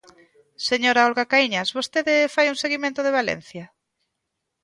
Señora Olga Caíñas, ¿vostede fai un seguimento de Valencia?